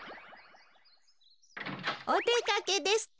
おでかけですか？